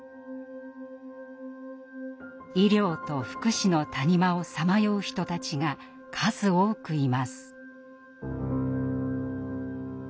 「医療と福祉の谷間」をさまよう人たちが数多くいます。